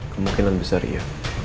kemungkinan besar iya